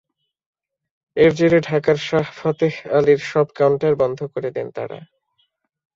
এর জেরে ঢাকার শাহ ফতেহ আলীর সব কাউন্টার বন্ধ করে দেন তাঁরা।